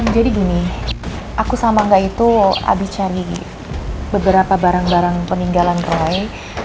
jadi gini aku sama angga itu habis cari beberapa barang barang peninggalan roy